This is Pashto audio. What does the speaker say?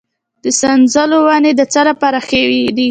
د سنځلو ونې د څه لپاره ښې دي؟